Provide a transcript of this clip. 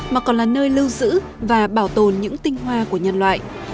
mà còn là nơi lưu giữ và bảo tồn những tinh hoa của nhân loại